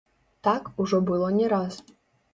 Так ужо было не раз.